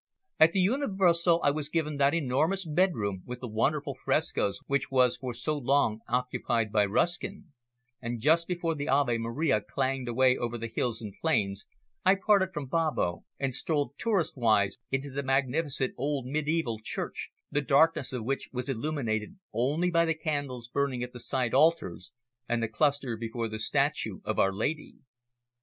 At the Universo I was given that enormous bedroom with the wonderful frescoes which was for so long occupied by Ruskin, and just before the Ave Maria clanged away over the hills and plains, I parted from Babbo and strolled tourist wise into the magnificent old mediaeval church, the darkness of which was illuminated only by the candles burning at the side altars and the cluster before the statue of Our Lady.